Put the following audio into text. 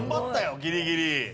ギリギリ。